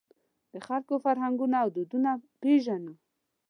د خلکو فرهنګونه او دودونه پېژنو.